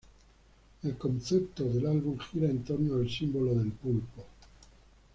El concepto del álbum gira en torno al símbolo del pulpo.